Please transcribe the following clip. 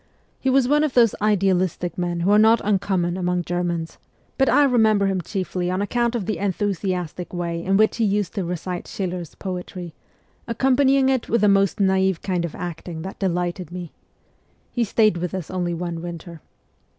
He was one of those idealistic men who are not uncommon among Germans, 56 MEMOIRS OF A REVOLUTIONIST but I remember him chiefly on account of the enthu siastic way in which he used to recite Schiller's poetry, accompanying it by a most naive kind of acting that delighted me. He stayed with us only one winter.